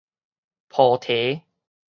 菩提